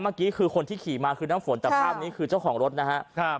เมื่อกี้คือคนที่ขี่มาคือน้ำฝนแต่ภาพนี้คือเจ้าของรถนะครับ